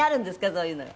そういうのが。